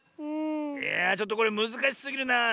いやちょっとこれむずかしすぎるなあ。